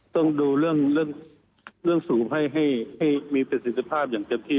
ต้องดูเรื่องสูบให้มีประสิทธิภาพอย่างเต็มที่